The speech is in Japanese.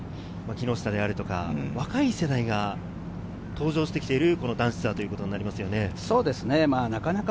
こういった金谷拓実や、木下であるとか、若い世代が登場してきている男子ツアーということになりますね。